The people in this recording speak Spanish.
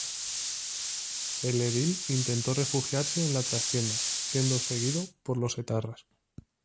El edil intentó refugiarse en la trastienda, siendo seguido por los etarras.